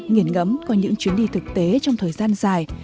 nghiền ngẫm qua những chuyến đi thực tế trong thời gian dài